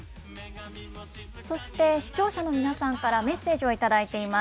そして、視聴者の皆さんからメッセージを頂いています。